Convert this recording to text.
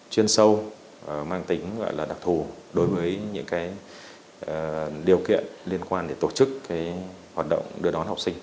chuyên sâu mang tính gọi là đặc thù đối với những điều kiện liên quan để tổ chức hoạt động đưa đón học sinh